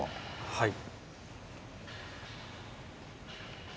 はい。